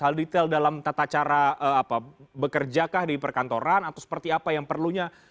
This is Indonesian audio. hal detail dalam tata cara bekerjakah di perkantoran atau seperti apa yang perlunya